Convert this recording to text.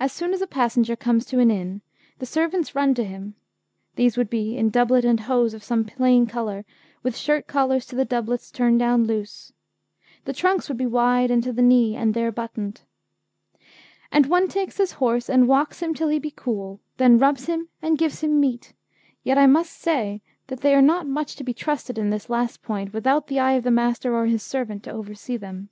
'As soon as a passenger comes to an Inn, the servants run to him' (these would be in doublet and hose of some plain colour, with shirt collars to the doublets turned down loose; the trunks would be wide and to the knee, and there buttoned), 'and one takes his horse and walks him till he be cool, then rubs him and gives him meat, yet I must say that they are not much to be trusted in this last point, without the eye of the Master or his servant to oversee them.